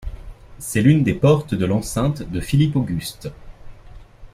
C'est l'une des portes de l'enceinte de Philippe Auguste.